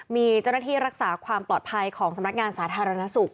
มีเจ้าหน้าที่รักษาความปลอดภัยของสำนักงานสาธารณสุข